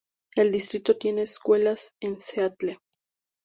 El distrito tiene escuelas en Seattle.